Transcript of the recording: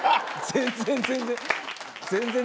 全然全然。